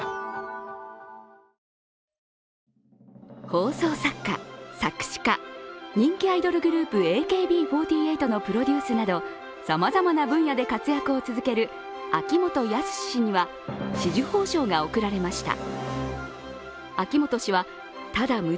放送作家、作詞家、人気アイドルグループのＡＫＢ４８のプロデュースなどさまざまな分野で活躍を続ける秋元康氏には紫綬褒章が贈られました。